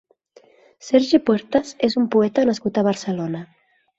Sergi Puertas és un poeta nascut a Barcelona.